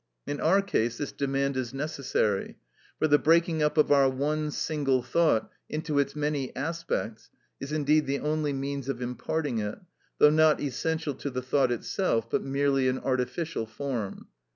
In our case this demand is necessary; for the breaking up of our one single thought into its many aspects is indeed the only means of imparting it, though not essential to the thought itself, but merely an artificial form.